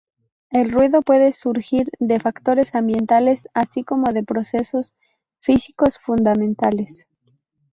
El ruido puede surgir de factores ambientales, así como de procesos físicos fundamentales.